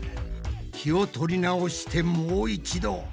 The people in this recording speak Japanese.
気を取り直してもう一度。